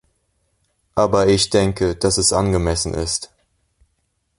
Aber ich denke, dass es angemessen ist.